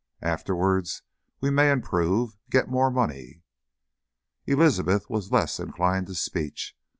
Afterwards we may improve, get more money." Elizabeth was less inclined to speech.